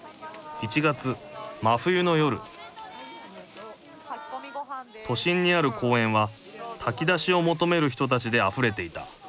１月真冬の夜都心にある公園は炊き出しを求める人たちであふれていた。